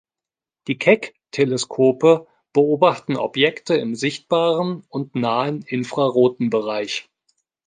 Die Keck-Teleskope beobachten Objekte im sichtbaren und nahen infraroten Bereich.